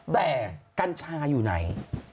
แต่กัญชาอยู่ไหน